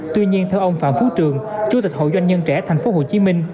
tuy nhiên theo ông phạm phú trường chủ tịch hội doanh nhân trẻ tp hcm